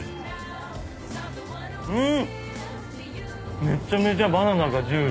うん！